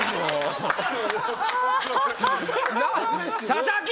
佐々木！